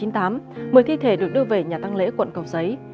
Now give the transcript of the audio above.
một mươi thi thể được đưa về nhà tăng lễ quận cầu giấy